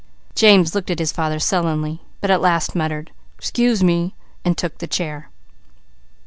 James looked at his father sullenly, but at last muttered, "Excuse me," and took the chair.